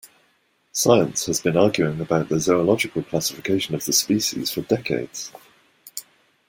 Science has been arguing about the zoological classification of the species for decades.